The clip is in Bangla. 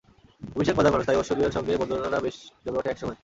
অভিষেক মজার মানুষ, তাই ঐশ্বরিয়ার সঙ্গে বন্ধুত্বটা বেশ জমে ওঠে একসময়।